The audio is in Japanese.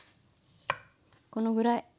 このぐらい。